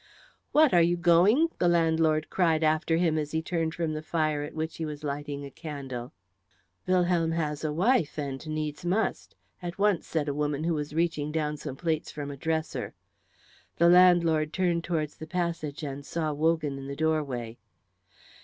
"What! Are you going?" the landlord cried after him as he turned from the fire at which he was lighting a candle. "Wilhelm has a wife and needs must," at once said a woman who was reaching down some plates from a dresser. The landlord turned towards the passage and saw Wogan in the doorway.